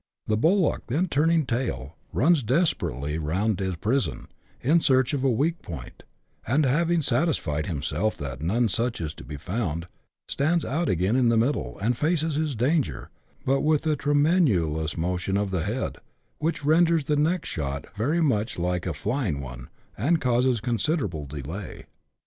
The bullock then turning tail, runs desperately round his prison, in search of a weak point ; and having satis fied himself that none such is to be found, stands out again in the middle, and faces his danger, but with a tremulous mo tion of the head, which renders the next shot very much like a flying one, and causes considerable delay.